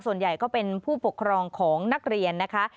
ส่วนใหญ่ก็เป็นผู้ปกครองของนักเรียนนะคะ